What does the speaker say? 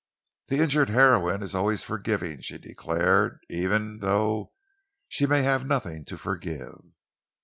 "The injured heroine is always forgiving," she declared, "even though she may have nothing to forgive.